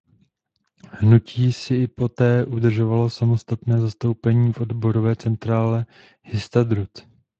Hnutí si i poté udržovalo samostatné zastoupení v odborové centrále Histadrut.